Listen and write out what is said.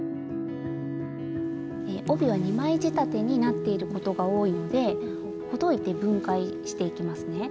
帯は２枚仕立てになっていることが多いのでほどいて分解していきますね。